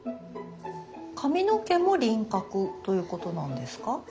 髪の毛も輪郭ということなんですか？